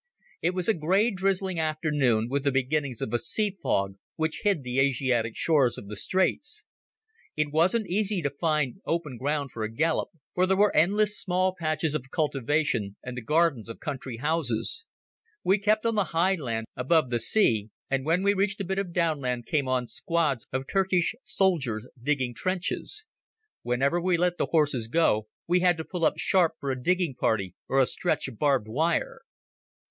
It was a grey drizzling afternoon, with the beginnings of a sea fog which hid the Asiatic shores of the straits. It wasn't easy to find open ground for a gallop, for there were endless small patches of cultivation and the gardens of country houses. We kept on the high land above the sea, and when we reached a bit of downland came on squads of Turkish soldiers digging trenches. Whenever we let the horses go we had to pull up sharp for a digging party or a stretch of barbed wire.